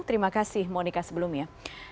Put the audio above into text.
terima kasih monika sebelumnya